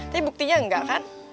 tapi buktinya enggak kan